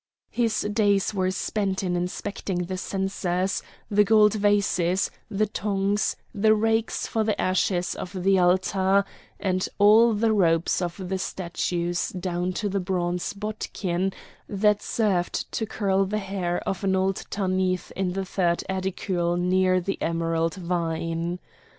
His days were spent in inspecting the censers, the gold vases, the tongs, the rakes for the ashes of the altar, and all the robes of the statues down to the bronze bodkin that served to curl the hair of an old Tanith in the third aedicule near the emerald vine.